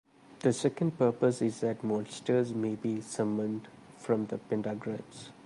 The second purpose is that monsters may be summoned from the pentagrams.